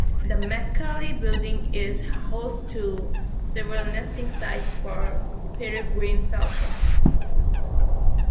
The Mack-Cali building is host to several nesting sites for peregrine falcons.